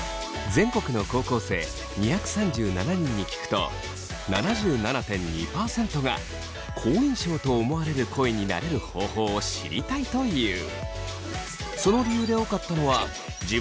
全国の高校生２３７人に聞くと７７．２％が好印象と思われる声になれる方法を知りたいという。